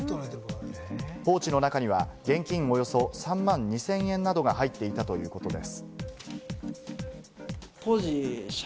ポーチの中には現金およそ３万２０００円などが入っていたということです。